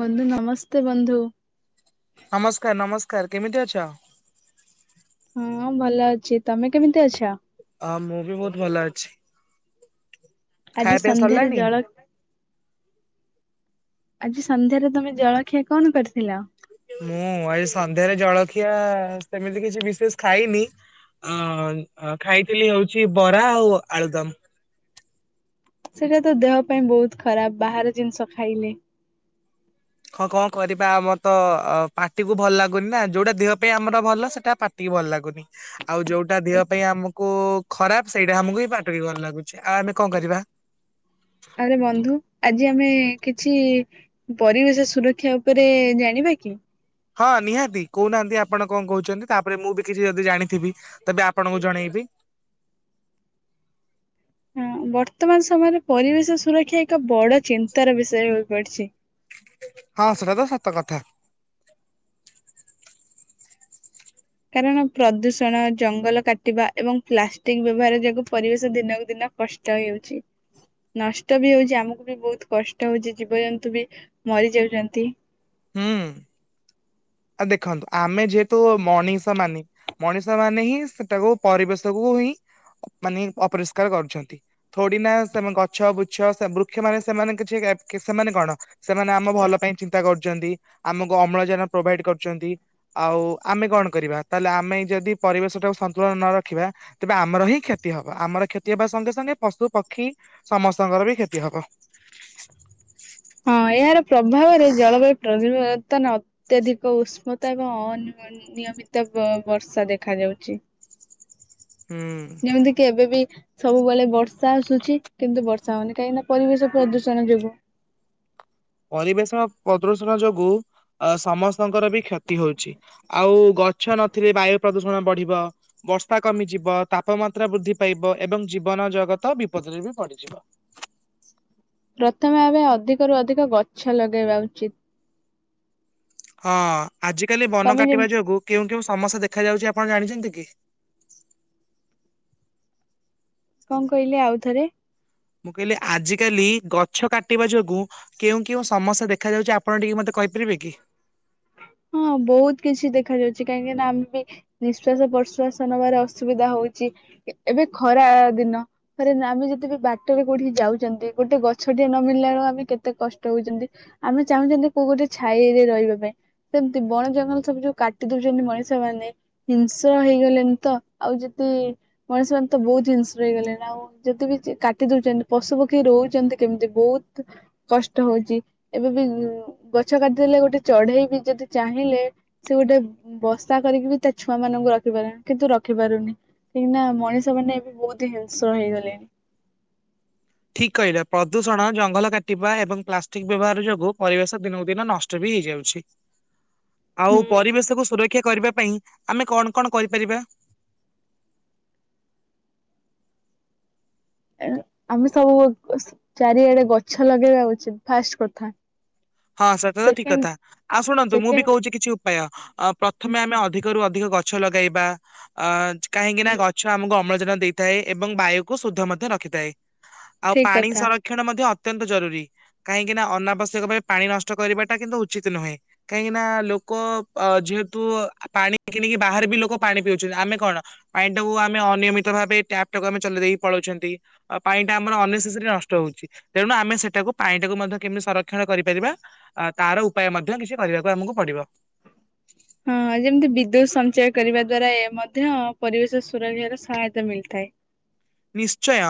ବନ୍ଧୁ ନମସ୍ତେ ବନ୍ଧୁ। ନମସ୍କାର [unintelligible] କେମିତି ଅଛ? ହଁ ଭଲ ଅଛି। ତମେ କେମିତି ଅଛ? ହଁ ମୁଁ ବି ବହୁତ ଭଲ ଅଛି। ଆଜି ଖାଇବା ପିଇବା ସନ୍ଧ୍ୟାରେ ସରିଲାଣି? ଜଳ ଆଜି ସନ୍ଧ୍ୟାରେ ତମେ ଜଳଖିଆ କଣ କରିଥିଲ? ମୁଁ ଆଜି ସନ୍ଧ୍ୟାରେ ଜଳଖିଆ ସେମିତି କିଛି ବିଶେଷ ଖାଇନି ଖାଇଥିଲି ହଉଛି ବରା ଆଉ ଆଳୁଦମ। ସେଟା ତ ଦେହ ପାଇଁ ବହୁତ ଖରାପ ବାହାରେ ଜିନିଷ ଖାଇଲେ। ହଁ କଣ କରିବା ଆମର ତ ପାଟିକୁୁ ଭଲ ଲାଗୁନି ନା ଯୋଉଟା ଦେହ ପାଇଁ ଆମର ଭଲ ସେଟା ପାଟିକୁି ଭଲ ଲାଗୁନି। ଆଉ ଯୋଉଟା ଦେହ ପାଇଁ ଆମକୁ କୁ ଖରାପ ସେଇଟା ଆମକୁ ବି ପାଟିକୁ ଭଲ ଲାଗୁଛି। ଆଉ ଆମେ କଣ କରିବା? ଆରେ ବନ୍ଧୁ ଆଜି ଆଯି ଆମେ କିଛି ପରିବେଶ ସୁରକ୍ଷା ଉପରେ ଜାଣିବା କି । ହଁ ନିହାତି କହୁନାହାନ୍ତି ଆପଣ କଣ କହୁଛନ୍ତି ତାପରେ ମୁଁ ବି କିଛି ଯଦି ଜାଣିଥିବି ତବେ ଆପଣଙ୍କୁ ଜଣେଇବି । ହଁ ବର୍ତ୍ତମାନ ସମୟରେ ପରିବେଶ ସୁରକ୍ଷା ଏକ ବଡ ଚିନ୍ତାର ବିଷୟ ହୋଇ ପଡିଛି । ହଁ ସେଟା ତ ସାତ କଥା । କାରଣ ପ୍ରଦୂଷଣ ଜଙ୍ଗଲ କାଟିବା ଏବଂ ପ୍ଲାଷ୍ଟିକ ବ୍ୟବହାର ଯୋଗୁ ପରିବେଶ ଦିନକୁ ଦିନ କଷ୍ଟ ହେଉଛି ନଷ୍ଟ ବି ହଉଛି ଆମକୁ ବି ବହୁତ କଷ୍ଟ ହଉଛି ଜୀବଜନ୍ତୁ ବି ମରିଯାଉଛନ୍ତି । ଆଉ ଦେଖନ୍ତୁ ଆମେ ଯେହେତୁ ମଣିଷ ମାନେ ମଣିଷ ମାନେ ହିଁ ସେଟାକୁ ପରିବେଶକୁ ହିଁ ମାନେ ଅପରିଷ୍କାର କରୁଛନ୍ତି ଥୋଡିନା ସେମାନେ ଗଛ ବୃଛ ବୃକ୍ଷ ମାନେ ସେମାନେ କିଛି ସେମାନେ କଣ । ସେମାନେ ଆମ ଭଲ ପାଇଁ ଚିନ୍ତା କରୁ ଚନ୍ତି ଆମକୁ ଅମ୍ଳଜାନ ପ୍ରୋଭାଇଡ କରୁଛନ୍ତି ଆଉ ଆମେ କଣ କରିବା ତାହେଲେ ଆମେ ଯଦି ପରିବେଶ ଟାକୁ ସନ୍ତୁଳନ ନ ରଖିବା ତେବେ ଆମର ହିଁ କ୍ଷତି ହବ ଆମର କ୍ଷତି ହେବା ସଙ୍ଗେ ସଙ୍ଗେ ପଶୁ ପକ୍ଷୀ ସମସ୍ତଙ୍କର ବି କ୍ଷତି ହବ । ହଁ ଏହାର ପ୍ରଭାବରେ ଜଳବାୟୁ ପ୍ରରିବ ବର୍ତ୍ତନ ଅତ୍ୟଧିକ ଉଷ୍ମତା ଏବଂ ଅନି ଅନିିୟମିତ ବର୍ଷା ବ ଦେଖାଯାଉଛି। ହୁଁ। ଯେମିତି କି ଏବେ ବି ସବୁବେଳେ ବର୍ଷା ଆସୁଛି କିନ୍ତୁ ବର୍ଷା ହଉନି କାହିଁକି ନାନା ପରିବେଶ ପ୍ରଦୂଷଣ ଯୋଗୁ। ପରିବେଷଣ ପ୍ରଦୁରଷଣ ଯୋଗୁ ସମସ୍ତଙ୍କର ବି କ୍ଷତି ହଉଛି ଆଉ ଗଛ ନଥିଲେ ବାୟୁ ପ୍ରଦୂଷଣ ବଢିବ ବର୍ଷା କମିଯିବ ତାପମାତ୍ରା ବୃଦ୍ଧି ପାଇବ ଏବଂ ଜୀବନ ଜଗତ ବିପଦରେ ବି ପଡିଯିବ। ପ୍ରଥମେ ଆମେ ଅଧିକରୁୁ ଅଧିକ ଗଛ ଲଗେଇବା ଉଚିତ। ହଁ । ଆଜିକାଲି ବନ ତମେ କାଟିବା ଯେମତି ଯୋଗୁ କେଉଁ କେଉଁ ସମସା ଦେଖା ଯାଉଛି ଆପଣ ଜାଣିଛନ୍ତି କି? କଣ କହିଲେ ଆଉଥରେ ମୁଁ କହିଲି ଆଜ କାଲି ଗଛ କାଟିବା ଯୋଗୁଁ କେଉଁ କେଉଁ ସମସ୍ୟା ଦେଖା ଯାଉଛି ଆପଣ ଟିକେ ମତେ କହିପାରିବେ କି? ହଁ ବହୁତ କିଛି ଦେଖ ଯାଉଛି କାହିଁକିନା ଆମେ ବି ନିଶ୍ଵାସ ପ୍ରଶ୍ଵାସ ନବାର ଅସୁବିଧା ହଉଛି ଏବେ ଖରା ଦିନରେ ଆମେ ଯଦି ବି ବାଟରେ କୋଉଠି ଯାଉଛନ୍ତି ଗୋଟେ ଗଛ ଟଏ ନମଳିଲା ବେଳୁ ଆମେ କେତେ କଷ୍ଟ ହଉଛନ୍ତି ଆମେ ଚାହୁଁଛନ୍ତି କୋଉ ଗୋଟେ ଛାଇରେ ରହିବା ପାଇଁ ସେମତି ବଣ ଜଙ୍ଗଲ ସବୁ ଯୋଉ କାଟି ଦଉଛନ୍ତି ମଣିଷ ମାନେ ହିଂସ୍ର ହେଇଗଲେଣି ତ ଆଉ ଯଦି ମଣିଷ ମାନେ ତ ବହୁତ ହିଂସ୍ର ହେଇଗଲେଣି ଆଉ ଯଦି ବି କାଟି ଦଉଛନ୍ତି ପଶୁ ପକ୍ଷୀ ରହୁଛନ୍ତି କେମିତି ବହୁତ କଷ୍ଟ ହଉଛି ଏବେ ବି ଗଛ କାଟିଦେଲେ ଗୋଟେ ଚଢେଇ ବି ଯଦି ଚାହିଁଲେ ସେ ଗୋଟେ ବସା କରିକି ବି ତା ଛୁଆ ମାନଙ୍କୁ ରଖିପାରେ କିନ୍ତୁ ରଖିପାରୁନି କାହିଁକି ନା ମଣିଷ ମାନେ ଏବେ ବହୁତ ହିଂସ୍ର ହେଇଗଲେଣି। ଠିକ୍ କହିଲା ପ୍ରଦୂଷଣ ଜଙ୍ଗଲ କାଟିବା ଏବଂ ପ୍ଲାଷ୍ଟିକ ବ୍ୟବହାର ଯୋଗୁ ପରିବେଶ ଦିନକୁ ଦିନ ନଷ୍ଟ ବି ହେଇଯାଉଛି। ଆଉ ହୁଁ। ପରିବେଶ କୁ ସୁରକ୍ଷା କ୍ଷା କରିବା ପାଇଁ ଆମେ କଣ କଣ କରିପାରିବା? ଆମେ ସବୁ ଚାରିଆଡେ ଗଛ ଲଗେଇବା ଉଚିତ ଫାଷ୍ଟ କଥା। ହଁ ସେଟା ତ ଠିକ ସେକେଣ୍ଡ କଥା ଆଉ ଶୁଣନ୍ତୁ ମୁଁ ବି ସେକେଣ୍ଡ କହୁଛି କିଛି ଉପାୟ ପ୍ରଥମେ ଆମେ ଅଧିକ ରୁ ଅଧିକ ଗଛ ଲଗେଇବା ଆ କାହିଁକି ନା ଗଛ ଆମକୁ ଅମ୍ଳଜା ଜାନ ଦେଇଥାଏ ଏବଂ ବାୟୁକୁ ଶୁଦ୍ଧ ମଧ୍ୟ ରଖିଥାଏ। ଆଉ ଠିକ ପାଣି କଥା ସଂରକ୍ଷଣ ମଧ୍ୟ ଅ ଅତ୍ୟନ୍ତ ଜରୁରୀ କାହିଁକି ନା ଅନାବଶ୍ୟକ ପା ପାଣି ନଷ୍ଟ କରିବା ଟା କିନ୍ତୁ ଉଚିତ ନୁହେଁ କାହିଁକି ନା ଲୋକ ଯେହେତୁ ପାଣି କିଣି ଵି ବାହହାରେ ବି ଲୋକ ପାଣି ପିଉ ଚନ୍ତୀ ଆମେ କଣ ପାଣି ଟାକୁ ଆମେ ଅନୟମିତ ଭାବେ ଟ୍ୟାପ୍ ଟାକୁ ଆମେ ଚେଲେଇ ଦେଇକି ପଳଉଛନ୍ତି ଆଉ ପାଣି ଟା ଆମର ଅନେସେସେରୀ ନଷ୍ଟ ହଉଛି ତେଣୁ ଆମେ ସେଟାକୁ ପାଣି ମଧ୍ୟ କେମିତି ସଂରକ୍ଷଣ କରି କରିବା ତାର ଉପାୟ ମଧ୍ୟ କିଛି କରିବାକୁ ଆମକୁ ପଡିବ ହଁ ଯେମିତି ବିଦ୍ୟୁତ ସଞ୍ଚୟ କରିବା ଦ୍ଵାରା ଏ ମଧ୍ୟ ପରିବେଶ ସୁରକ୍ଷାର ସହାୟତା ମିଳିଥାଏ। ନିଶ୍ଚୟ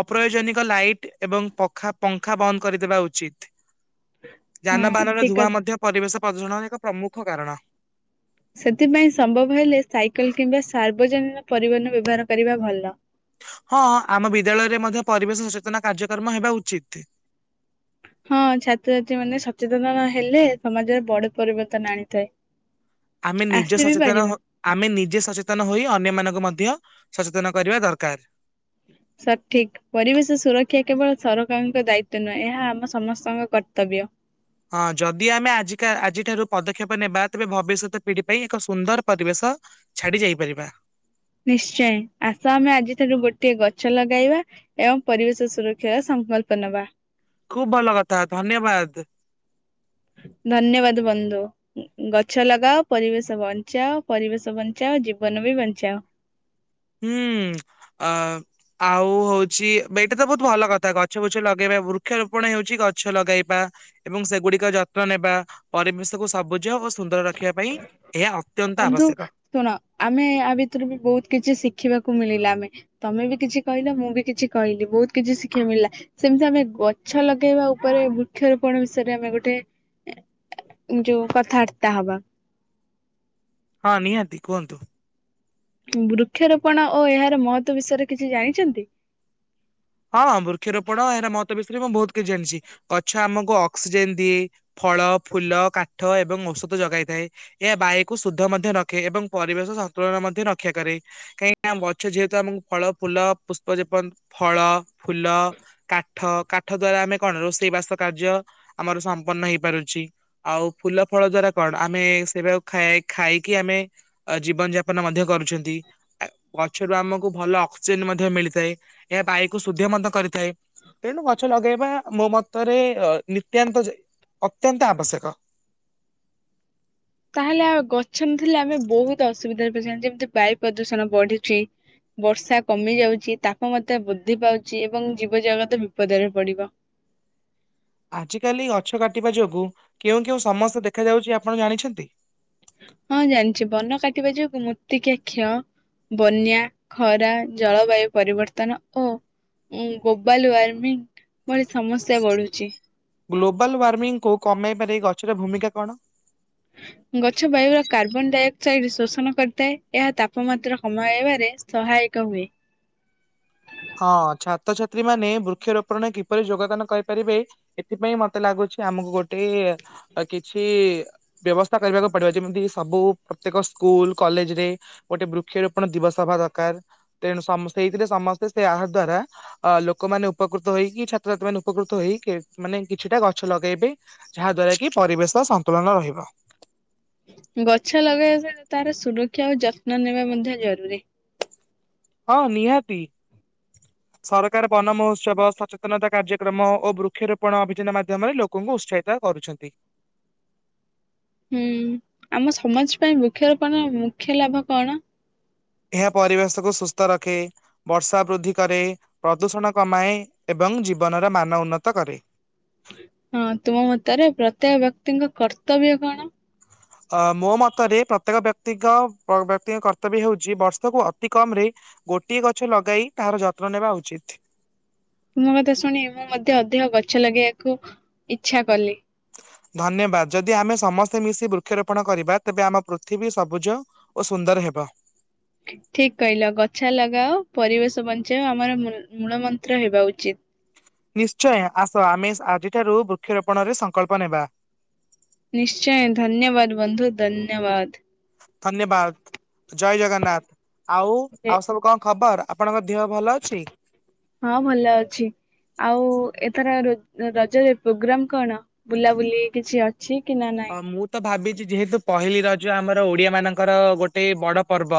ଅପ୍ରୟୋଜନିକ ଲାଇଟ୍ ଏବଂ ପାଖା ପଙ୍ଖା ବନ୍ଦ କରିଦେବା ଉଚିତ। ହଁ ଯାନବାହାନର ଠିକ ଧୁଆଁ ମଧ୍ୟ ପରିବେଶ ପ୍ରଦୂଷଣ ଏକ ପ୍ରମୁଖ କାରଣ। ସେଥିପାଇଁ ସମ୍ଭବ ହେଲେ ସାଇକେଲ କିମ୍ବା ସାର୍ବଜନୀନ ପରିବହନ ବ୍ୟବହାର କରିବା ଭଲ। ହଁ ଆମ ବିଦ୍ୟାଳୟରେ ମଧ୍ୟ ପରିବେଶ ସଚେତନା କାର୍ଯ୍ୟକ୍ରମ ହେବା ଉଚିତ୍। ହଁ ଛାତ୍ରଛାତ୍ରୀ ମାନେ ସଚେତନନ ହେଲେ ସମାଜରେ ବଡ ପରିବର୍ତ୍ତନ ଆଣିଥାଏ। ଆମେ ନିଜେ ଆସି ବିି ସଚେତନ ପାରିବ। ଆମେ ନିଜେ ସଚେତନ ହୋଇ ଅନ୍ୟ ମାନଙ୍କୁ ମଧ୍ୟ ସଚେତନ କରିବା ଦରକାର। ସଠିକ୍ ପରିବେଶ ସୁରକ୍ଷା କେବଳ ସରକାରଙ୍କ ଦାୟିତଵ ନୁହେଁ ଏହା ଆମ ସମସ୍ତଙ୍କ କର୍ତ୍ତବ୍ୟ। ହଁ ଯଦି ଆମେ ଆଜିକା ଆଜି ଠାରୁ ପଦକ୍ଷେପ ନେବା ତେବେ ଭବିଷ୍ୟତ ପିଢି ପାଇଁ ଏକ ସୁନ୍ଦର ପରିବେଶ ଛାଡି ଯାଇପାରିବା। ନିଶ୍ଚୟ ଆସ ଆମେ ଆଜିଠାରୁ ଗୋଟିଏ ଗଛ ଲଗାଇବା ଏବଂ ପରିବେଶ ସୁରକ୍ଷାର ସଂକଳ୍ପ ନବା। ଖୁବ୍ ଭଲ କଥା ଧନ୍ୟବାଦ। ଧନ୍ୟବାଦ ବନ୍ଧୁ, ଗଛ ଲଗାଅ ପରିବେଶ ବଞ୍ଚାଅ, ପରିବେଶ ବଞ୍ଚାଅ ଜୀବନ ବି ବଞ୍ଚାଅ। ହୁଁ ଅ ଆଉ ହଉଛି ଏଇଟା ତ ବହୁତ ଭଲ କଥା ଗଛ ବୁଛ ଲଗେଇବା ବୃକ୍ଷରୋପଣ ହଉଛି ଗଛ ଲଗେଇବା ଏବଂ ସେଗୁଡିକ ଯତ୍ନ ନେବା ପରିବେଶ କୁ ସବୁଜ ଓ ସୁନ୍ଦର ରଖ୍ ବନ୍ଧୁ ଶୁଣ ଆମେ ଆ ଭିତରେ ବି ବହୁତ କିଛି ଶି ଶିଖିବାକୁ ମିଳିଲା ଆମେ ତମେ ବି କିଛି କହିଲ ମୁଁ ବି କିଛି କହିଲି ବହୁତ କିଛି ଶିଖିବା ମିଳିଲା ସେମିତି ଆମେ ଗଛ ଲଗେଇବା ଉପରେ ବୃକ୍ଷରୋପଣ ବିଷୟରେ ଆମେ ଗୋଟେ ଏ ଯୋଉ କଥାବାର୍ତ୍ତା ହବା। ହଁ ନିହାତି କୁହନ୍ତୁ। ବୃକ୍ଷରୋପଣ ଓ ଏହାର ମହତ୍ୱ ବିଷୟରେ କିଛି ଜାଣିଛନ୍ତି? ହଁ ବୃକ୍ଷରୋପଣ ଏହାର ମହତ୍ୱ ବିଷୟରେ ମୁଁ ବହୁତ କିଛି ଜାଣିଛି ଗଛ ଆମକୁ ଅକ୍ସିଜେନ ଦିଏ ଫଳ, ଫୁଲ, କାଠ ଏବଂ ଔଷଧ ଯଗାଇ ଥାଏ ଏହା ବାୟୁକୁ ଶୁଦ୍ଧ ମଧ୍ୟ ରଖେ ଏବଂ ପରିବେଷ ସନ୍ତୁଳନ ମଧ୍ୟ ରକ୍ଷା କରେ କାହିଁକି ନା ଆମ ଗଛ ଯେହେତୁ ଆମକୁ ଫଳ ଫୁଲ ପୁଷ୍ପ ଯେପନ୍ ଫଳ ଫୁଲ, କାଠ କାଠ ଦ୍ଵାରା ଆମେ କଣ ରୋଷେଇ ବାସ କାର୍ଯ୍ୟ ଆମର ସମ୍ପନ୍ନ ହେଇପାରୁଛି ଆଉ ଫୁଲ ଫଳ ଦ୍ଵାରା କଣ, ଆମେ ସେୟାକୁ ଖାଇକି ଆମେ ଜୀବନ ଯାପନ ମଧ୍ୟ କରୁଛନ୍ତି ଗଛରୁ ଆମକୁ ଭଲ ଅକ୍ସିଜେନ ମଧ୍ୟ ମିଳିଥାଏ ଏହା ବାୟୁ କୁଶୁଦ୍ଧ ମଧ୍ୟ କରିଥାଏ ତେଣୁ ଗଛ ଲଗେଇବା ମୋ ମତରେ ନିତ୍ୟାନ୍ତ ଯେ ଅତ୍ୟାନ୍ତ ଆବଶ୍ୟକ। ତାହେଲେ ଆଉ ଗଛ ନଥିଲେ ଆମେ ବହୁତ ଅସୁବିଧାରେ ପଜିଥାନ୍ ଯେମିତି ବାୟୁ ପ୍ରଦୂଷଣ ବଢୁଛି, ବର୍ଷା କମି ଯାଉଛି, ତାପମାତ୍ରା ବୃଦ୍ଧି ପାଉଛି ଏବଂ ଜୀବ ଜଗତ ବିପଦରେ ପଡ଼ିବ। ଆଜ କାଲି ଗଛ କାଟିବା ଯୋଗୁଁ କେଉଁ କେଉଁ ସମସ୍ୟା ଦେଖାଯାଉଛି ଆପଣ ଜାଣିଛନ୍ତି। ହଁ ଜାଣିଛି ବନ କାଟିବା ଯୋଗୁ ମୃତ୍ତିକା କ୍ଷୟ ବନ୍ୟା ଖରା ଜଳବାୟୁ ପରିବର୍ତ୍ତନ ଓ ଗ୍ଲୋବାଲ ୱାର୍ମିଂ ଭଳି ସମସ୍ୟା ବଢ଼ୁଛି। ଗ୍ଲୋବାଲ ୱାର୍ମିଂ କୁ କମାଇ ବାରେ ଗଛର ଭୂମିକା କଣ? ଗଛ ବାୟୁର କାର୍ବନ ଡାଇଅକ୍ସାଇଡ ଶୋଷଣ କରିଥାଏ ଏହା ତାପମାତ୍ରା କମାଇବାରେ ସହାୟକ ହୁଏ ହଁ ଛାତ୍ରଛାତ୍ରୀ ମାନେ ବୃକ୍ଷରୋପଣରେ କିପରି ଯୋଗଦାନ କରିପାରିବେ ଏଥିପାଇଁ ମତେ ଲାଗୁଛି ଆମକୁ ଗୋଟେ କିଛି ବ୍ୟବସ୍ଥା କରିବାକୁ ପଡିବ ଯେମିତି ସବୁ ପ୍ରତ୍ୟେକ ସ୍କୁଲ କଲେଜ ରେ ଗୋଟେ ବୃକ୍ଷରୋପଣ ଦିବସ ହବା ଦରକାର ତେଣୁ ସମ ସେଇଥିରେ ସମ ତ ସେ ଏହା ଦ୍ଵାରା ଲୋକମାନେ ଉପକୃତ ହେଇକି ଛାତ୍ରଛାତ୍ରୀ ମାନେ ଉପକୃତ ହେଇ ମାନେ କିଛିଟା ଗଛ ଲଗେଇବେ ଯାହା ଦ୍ଵାରା କି ପରିବେଶ ସନ୍ତୁଳନ ରହିବ। ଗଛ ଲଗେଇବା ସହ ତାର ସୁରକ୍ଷା ଓ ଯତ୍ନ ନେବା ମଧ୍ୟ ଜରୁରୀ। ହଁ ନିହାତି, ସରକାର ବନ ମହୋତ୍ସବ ସଚେତନତା କାର୍ଯ୍ୟକ୍ରମ ଓ ବୃକ୍ଷରୋପଣ ଅଭିଯାନ ମାଧ୍ୟମରେ ଲୋକଙ୍କୁ ଉତ୍ସାହିତ କରୁଛନ୍ତି। ହୁଁ ଆମ ସମାଜ ପାଇଁ ବୃକ୍ଷରୋପଣ ମୁଖ୍ୟ ଲାଭ କଣ? ଏହା ପରିବେଶକୁ ସୁସ୍ଥ ରଖେ, ବର୍ଷା ବୃଦ୍ଧି କରେ ପ୍ରଦୂଷଣ କମାଏ ଏବଂ ଜୀବନର ମାନ ଉନ୍ନତ କରେ। ହଁ ତୁମ ମତରେ ପ୍ରତ୍ୟେକ ବ୍ୟକ୍ତିଙ୍କ କର୍ତ୍ତବ୍ୟ କଣ? ଅ ମୋ ମତରେ ପ୍ରତ୍ୟେକ ବ୍ୟକ୍ତିଙ୍କ ବ୍ୟକ୍ତିଙ୍କ କର୍ତ୍ତବ୍ୟ ହେଉଛି ବର୍ଷକୁ ଅତି କମ ରେ ଗୋଟିଏ ଗଛ ଲଗାଇ ତାହାର ଯତ୍ନ ନେବା ଉଚିତ। ତୁମ କଥା ଶୁଣି ମୁଁ ମଧ୍ୟ ଅଧିକ ଗଛ ଲଗେଇବାକୁ ଇଚ୍ଛା କଲି। ଧନ୍ୟବାଦ ଯଦି ଆମେ ସମସ୍ତେ ମିଶି ବୃକ୍ଷରୋପଣ କରିବା ତେବେ ଆମ ପୃଥିବୀ ସବୁଜ ଓ ସୁନ୍ଦର ହେବ। ଠିକ୍ କହିଲ, ଗଛା ଲଗାଅ ପରିବେଶ ବଞ୍ଚାଅ। ଆମର ମୁଲ ମୂଳ ମନ୍ତ୍ର ହେବା ଉଚିତ। ନିଶ୍ଚୟ ଆସ ଆମେ ଆଜିଠାରୁ ବୃକ୍ଷରୋପଣରେ ସଂକଳ୍ପ ନେବା। ନିଶ୍ଚୟ ଧନ୍ୟବାଦ ବନ୍ଧୁ ଧନ୍ୟବାଦ। ଧନ୍ୟବାଦ ଜୟ ଜଗନ୍ନାଥ ଆଉ ଆଉ ସବୁ କଣ ଖବର? ଆପଣଙ୍କ ଦେହ ଭଲ ଅଛି ହଁ ଭଲ ଅଛି ଆଉ ଏଥର ରୋ ରଜରେ ପ୍ରୋଗ୍ରାମ କଣ ବୁଲାବୁଲି କିଛି ଅ ଅ ମୁଁ ତ ଭାବି ଯେହେତୁ ପହିଲି ରଜ ଆମର ଓଡିଆ ମାନଙ୍କର ଗୋଟେ ବଡ ପର୍ବ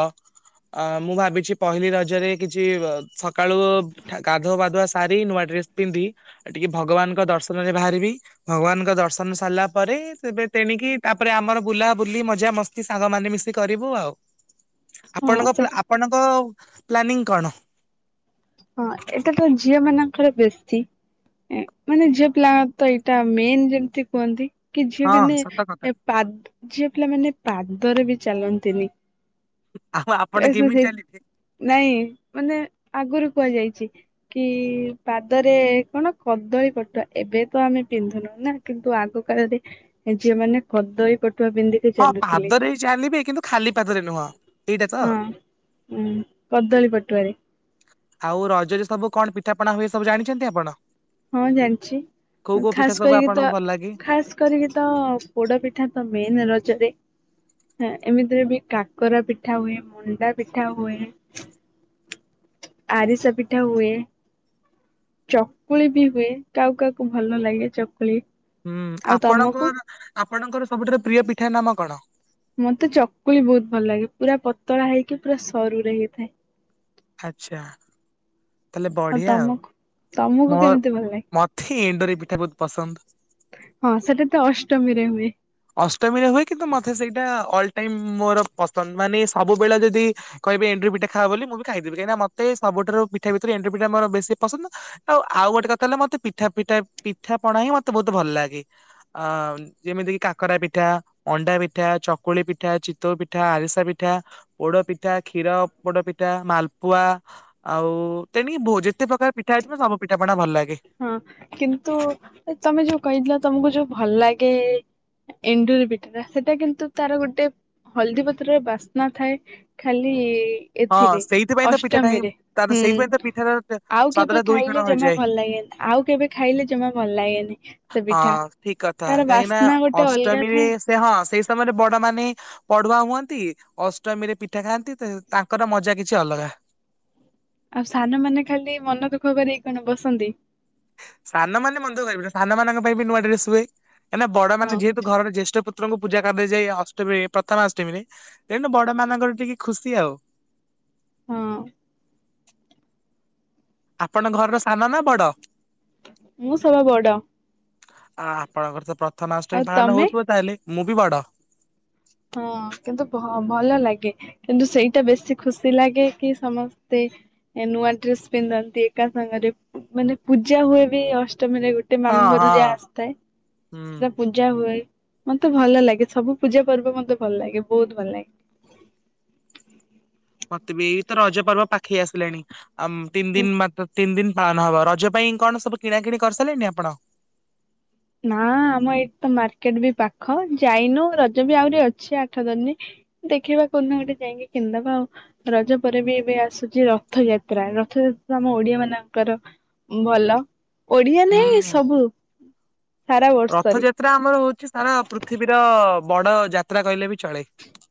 ଅ ମୁଁ ଭାବିଛି ପହିଲି ରଜରେ କିଛି ସକାଳୁ ଠା ଗାଧୁଆବାଧୁଆ ସାରି ନୂଆ ଡ୍ରେସ ପିନ୍ଧି ଟିକେ ଭଗବାନଙ୍କ ଦର୍ଶନରେ ବାହାରିବି ଭଗବାନଙ୍କ ଦର୍ଶନ ସାରିଲା ପରେ। ଏବେ ତେଣିକି ତାପରେ ଆମର ବୁଲା ବୁଲି ମଜା ମସ୍ତି ସାଙ୍ଗ ମାନେ ମିଶି କରିବୁ ଆଉ। ହଁ ଆପଣଙ୍କ ପ୍ଲା ସେଟା ଆପଣଙ୍କ ପ୍ଲାନିଂ କଣ? ହଁ ଏଇଟା ତ ଝିଅ ମାନଙ୍କର ବେଶୀ ମାନେ ଝିଅ ପିଲାଙ୍କ ତ ଏଇଟା ମେନ ଯେମିତି କୁହନ୍ତି। କି ଝିଅ ହଁ ମାନେ ସତ କଥା ପାଦ୍ ଝିଅ ପିଲାମାନେ ପାଦରେ ବି ଚାଲନ୍ତିନି। ଆଉ ଆପଣ ତ କେମିତି ସେ-ସେ ଚାଲିବେ? ନାଇଁ ମାନେ ଆଗରୁ କୁହାଯାଇଛି କି ପାଦରେ କଣ କଦଳୀ ପଟୁଆ ଏବେ ତ ଆମେ ପିନ୍ଧୁନୁ ନା କିନ୍ତୁ ଆଗ କାଳରେ ଝିଅ ମାନେ କଦଳୀ ପଟୁ ପଟୁଆ ପିନ୍ଧିକି ହଁ ଚାଲୁଥିଲି, ପାଦରେ ହିଁ ଚାଲିବେ କିନ୍ତୁ ଖାଲି ପାଦରେ ନୁହଁ ଏଇଟା ତ। ହଁ ଉ କଦଳୀ ପଟୁଆରେ। ଆଉ ରଜରେ ସବୁ କଣ ପିଠାପଣା ହୁଏ ସବୁ ଜାଣିଛନ୍ତି ଆପଣ? ହଁ ଜାଣିଛି କୋଉ କୋଉ ପିଠା ଖାସ ସବୁ କରିକି ତ ଆପଣଙ୍କୁ ଭଲ ଲାଗେ? ଖାସ କରିକି ତ ପୋଡ ପିଠା ତ ମେନ ରଜ ଜରେ ହେଁ ଏମତିରେ ବି କାକରା ପିଠା ହୁଏ, ମଣ୍ଡା ପିଠା ହୁଏ, ଆରିସା ପିଠା ହୁଏ। ଚକୁଳି ବି ହୁଏ, କାହାକୁ କାହାକୁ ଭଲ ନ ଲାଗେ ଚକୁଳି। ହୁଁ ଆଉ ତମକୁ? ଆପଣଙ୍କର୍ ଆପ୍ ଆପଣଙ୍କର ସବୁଠାରୁ ପ୍ରିୟ ପିଠା ନାମ କଣ? ମତେ ଚକୁଳି ବହୁତ ଭଲ ଲାଗେ ପୁରା ପତଳା ହେଇକି ପୁରା ସରୁରେ ହେଇଥାଏ। ଆଚ୍ଛା। ତାହଲେ ବଢିଆ ଆଉ। ତମକୁ ମୋ କେମିତି ଭଲ ମତେ ଏଣ୍ଡୁରି ପିଠା ବହୁତ ପସନ୍ଦ। ଲାଗେ? ହଁ ସେଟା ତ ଅଷ୍ଟମୀରେ ହୁଏ। ଅଷ୍ଟମୀରେ ହୁଏ କିନ୍ତୁ ମତେ ସେଇଟା ଅଲ୍ ଟାଇମ ମୋର ପସନ୍ଦ, ମାନେ ସବୁବେଳେ ଯଦି କହିବେ ଏଣ୍ଡୁରି ପିଠା ଖାଆ ବୋଲି ମୁଁ ବି ଖାଇଦେବି, କାହିଁକିନା ମତେ ସବୁଠାରୁ ପିଠା ଭିତରୁ ଏଣ୍ଡୁରି ପିଠା ମୋର ବେଶୀ ପସନ୍ଦ, ଆଉ ଆଉ ଗୋଟେ କଥା ହେଲା ମତେ ପିଠା ପିଠା ପଣା ହିଁ ମତେ ବହୁତ ଭଲ ଲାଗେ ଆ ଯେମିତିକି କାକ କରା ପିଠା, ଅଣ୍ଡା ପିଠା, ଚକୁଳି ପିଠା, ଚିତଉ ପିଠା, ଆରିସା ପିଠା, ପୋଡ ପିଠା, କ୍ଷୀରପୋଡ ପିଠା, ମାଲପୁଆ ଆଉ ତେଣିକି ବୋ ଯେତେ ପ୍ରକାର ପିଠା ହେଇଥିବ ସବୁ ପିଠା ପଣାା ଭଲ ଲାଗେ। ହଁ କିନ୍ତୁ ତମେ ଯୋଉ କହିଥିଲ ତମକୁ ଯୋଉ ଭଲ ଲାଗେ ଏଣ୍ଡୁରି ପିଠା ସେଟା କିନ୍ତୁ ତାର ଗୋଟେ ହଳଦୀ ପତ୍ରରେ ବାସ୍ନା ଥାଏ ଖାଲି ହଁ ଏଥିରେ ସେଇଥିପାଇଁ ତ ପିଠାଟା ହିଁ ଅଷ୍ଟମୀରେ ତାର ହୁଁ ସେଇଥିପାଇଁ ତା ପିଠାଟାର ଆଉ କେବେ ସ୍ଵାଦ ଟା ଦୁଇ ଖାଇଲେ ଗୁଣ ଜମା ହେଇଯାଏ। ଭଲ ଲାଗେନି ଆଉ କେବେ ଖାଇଲେ ଜମା ଭଲ ଲାଗେନି ସେ ପିଠା, ହଁ ଠିକ କଥା ତାର ବାସ୍ନା ଗୋଟେ ଅଲଗା ଥାଏ। ହ ସେଇ ସମୟରେ ବଡମାନେ ପଢୁଆ ହୁଅନ୍ତି ଅଷ୍ଟମୀରେ ପିଠା ଖାଆନ୍ତି ତେ ତାଙ୍କର ମଜା କିଛି ଅଲଗା। ଆଉ ସାନ ମାନେ ଖାଲି ମନ ଦୁଃଖ କରିକି କଣ ବସନ୍ତି? ସାନମାନେ ମନ ଦୁଃଖ କରିବେନି, ସାନ ମାନଙ୍କ ପାଇଁ ବି ନୂଆ ଡ୍ରେସ ହୁଏ। ଏ ନା ବଡ ହଁ ମାନେ ଯେହେତୁ ଘର ଜ୍ୟେଷ୍ଠ ପୁତ ପୁତ୍ରଙ୍କୁ ପୂଜା କରାଯାଏ ଅଷ୍ଟମୀରେ ପ୍ରଥମା ଅଷ୍ଟମୀରେ, ତେଣୁ ବଡ ମାନଙ୍କର ଟିକେ ଖୁସି ଆଉ। ହଁ ଆପଣ ଘରର ସାନ ନା ବଡ? ମୁଁ ସଵା ବଡ଼। ଆ ଆପଣଙ୍କର ତ ପ୍ରଥମାଷ୍ଟମି ପାଳନ ତମେ ହଉଥିବ ତାହେଲେ। ମୁଁ ବି ବଡ଼। ହଁ କିନ୍ତୁଭ ଭଲ ଲାଗେ କିନ୍ତୁ ସେଇଟା ବେଶୀ ଖୁସି ଲାଗେ କି ସମସ୍ତେ ନୂଆ ଡ୍ରେସ୍ ପିନ୍ଧନ୍ତି ଏକା ସାଙ୍ଗରେ ମାନେ ପୂଜା ହୁଏ ବି ଅଷ ଅଷ୍ଟମୀରେ ଗୋଟେ ହଁ ମାମୁଁ ହଁ ଘରୁ ଯାହା ଆସିଥାଏ ହୁଁ। ସେଟା ପୂଜା ହୁଏ। ମତେ ଭଲ ଲାଗେ ସବୁ ପୂଜା ପର୍ବ ମତେ ଭଲ ଲାଗେ ବହୁତ ଭଲ ଲାଗେ। ମତେ ବି ଏଇତ ରଜ ପର୍ବ ପାଖେଇ ଆସିଲାଣି। ଆମ ତିନ ଲାଗେ। ଦିନ ମାତ୍ର ତିନ ଦିନ ପାଳନ ହବ ରଜ ପାଇଁ କଣ ସବୁ କିଣା କିିଣି କରିସାରିଲେଣି ଆପଣ। ନା ଆମ ଏଇଠି ତ ମାର୍କେଟ ବି ପାଖ ଯାଇନୁ ରଜ ବି ଆହୁରି ଅଛି ଆଠ ଦନୀ ଦେଖିବା କଉଦିନ ଗୋଟେ ଯାଇକି କିନଦବା ଆଉ। ରଜ ପରେ ବି ଏବେ ଆସୁଛି ରଥଯାତ୍ରା। ରଥଯାତ୍ରା ଆମ ଓଡିଆ ମାନଙ୍କର ଭଲ ଓଡିଆ ନେଇ ହୁଁ। ସବୁ। ସାରା ବର୍ଷରେ। ରଥଯାତ୍ରା ଆମର ହଉଛି ସାରା ପୃଥିବୀର ବଡ ଯାତ୍ରା କହିଲେ ବି ଚଳେ